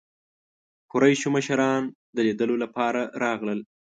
قریشو مشران د لیدلو لپاره راغلل.